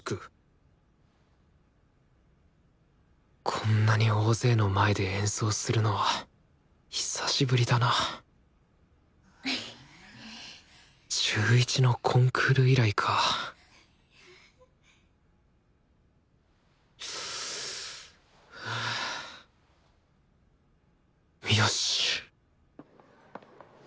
こんなに大勢の前で演奏するのは久しぶりだな中１のコンクール以来かよし！